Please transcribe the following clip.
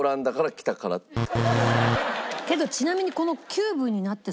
けどちなみにこの。